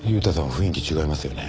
雰囲気違いますよね。